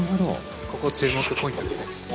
ここ注目ポイントですね。